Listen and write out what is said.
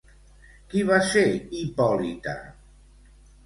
Qui va ser Hipòlita?